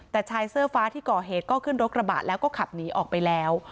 แต่ชายเสื้อฟ้าที่ก่อเหตุก็ขึ้นรถกระบะแล้วก็ขับหนีออกไปแล้ว